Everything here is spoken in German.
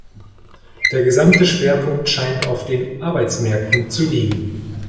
Der gesamte Schwerpunkt scheint auf den Arbeitsmärkten zu liegen.